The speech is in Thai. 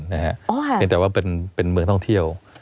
เพียงแต่ว่าเป็นเมืองท่องเที่ยว